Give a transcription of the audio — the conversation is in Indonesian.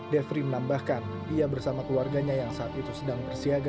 defri menambahkan ia bersama keluarganya yang saat itu sedang bersiaga